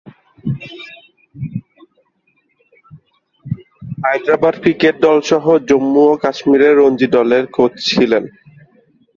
Hyderabad cricket দলসহ জম্মু ও কাশ্মিরের রঞ্জি দলে কোচ ছিলেন।